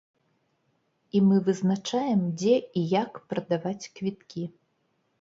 І мы вызначаем, дзе і як прадаваць квіткі.